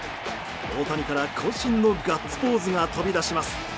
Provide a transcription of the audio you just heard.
大谷から、渾身のガッツポーズが飛び出します。